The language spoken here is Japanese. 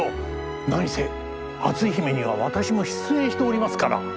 何せ「篤姫」には私も出演しておりますから！